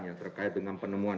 yang terkait dengan penemuan